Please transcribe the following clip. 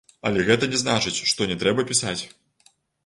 Але гэта не значыць, што не трэба пісаць.